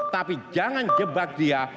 tapi jangan jebak dia